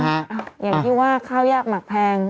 อย่างที่ว่าข้าวยากหมักแพง